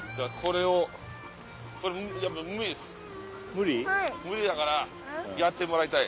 無理だからやってもらいたい。